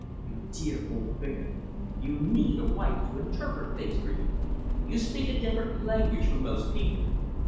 You dear old bear! You NEED a wife to interpret things for you. You speak a different language from most people."